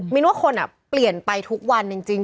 นว่าคนเปลี่ยนไปทุกวันจริง